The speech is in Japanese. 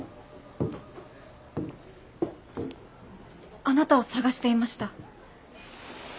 あなたを探していました。